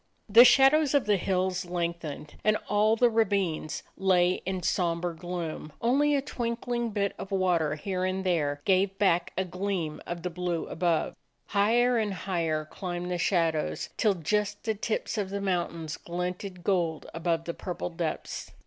The shadows of the hills lengthened, and all the ravines lay in somber gloom ; only a twink ling bit of water here and there gave back a gleam of the blue above. Higher and higher climbed the shadows till just the tips of the mountains glinted gold above the purple depths.